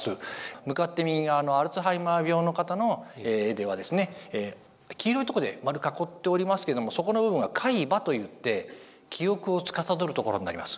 向かって右側のアルツハイマー病の方の画ではですね黄色いとこで丸囲っておりますけどもそこの部分が「海馬」と言って記憶をつかさどるところになります。